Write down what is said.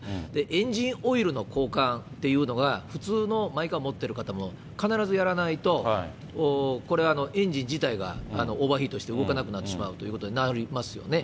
エンジンオイルの交換っていうのが、普通のマイカー持ってる方も必ずやらないと、これ、エンジン自体がオーバーヒートして動かなくなってしまうということになりますよね。